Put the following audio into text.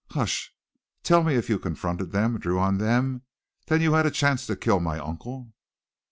"Hush Tell me, if you confronted them, drew on them, then you had a chance to kill my uncle?"